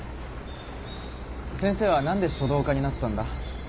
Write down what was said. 先生は何で書道家になったんだ？